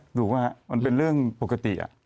หรูวะมันเป็นเรื่องปกติ